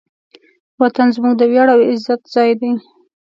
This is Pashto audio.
وطن زموږ د ویاړ او عزت ځای دی.